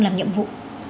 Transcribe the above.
làm nhiệm vụ